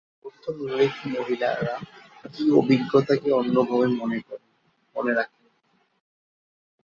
প্রথমত, দলিত মহিলারা কি অভিজ্ঞতাকে অন্য ভাবে মনে রাখেন?